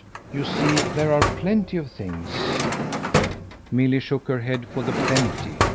You see there are plenty of things." Milly shook her head for the "plenty."